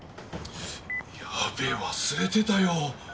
やべえ忘れてたよ。